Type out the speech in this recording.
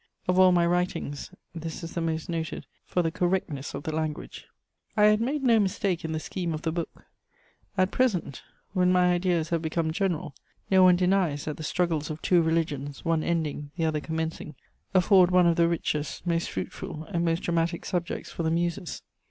Of all my writings, this is the most noted for the correctness of the language. I had made no mistake in the scheme of the book: at present, when my ideas have become general, no one denies that the struggles of two religions, one ending, the other commencing, afford one of the richest, most fruitful and most dramatic subjects for the Muses.